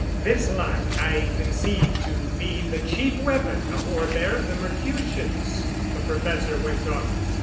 "This light I conceive to be the chief weapon of warfare of the Mercutians," the professor went on.